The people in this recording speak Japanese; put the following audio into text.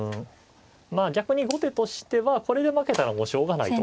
まあ逆に後手としてはこれで負けたらもうしょうがないと。